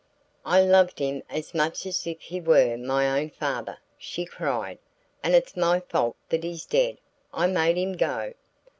"I loved him as much as if he were my own father," she cried, "and it's my fault that he's dead. I made him go!"